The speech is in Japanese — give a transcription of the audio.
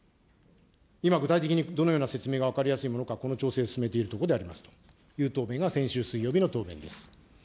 今、具体的にどのような説明が分かりやすいものか、この調整を進めているところでありますという答弁が先週水曜日の答弁です。